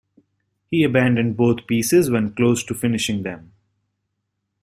He abandoned both pieces when close to finishing them.